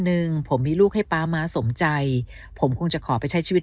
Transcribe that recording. หนึ่งผมมีลูกให้ป๊าม้าสมใจผมคงจะขอไปใช้ชีวิต